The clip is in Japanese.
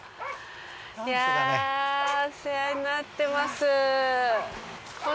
いやお世話になってます。